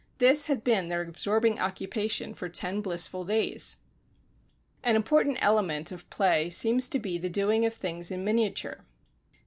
This had been their absorbing occupation for ten blissful days! An important element of play seems to be the doing of things in miniature.